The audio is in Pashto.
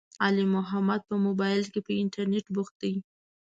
علي محمد په مبائل کې، په انترنيت بوخت دی.